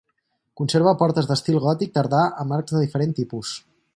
Conserva portes d'estil gòtic tardà amb arcs de diferent tipus.